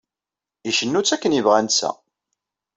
Icennu-tt akken yebɣa netta.